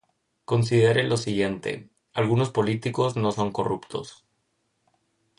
Considere lo siguiente: "Algunos políticos no son corruptos".